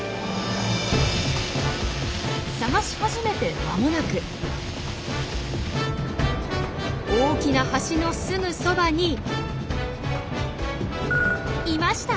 探し始めて間もなく大きな橋のすぐそばにいました！